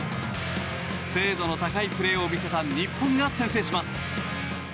精度の高いプレーを見せた日本が先制します。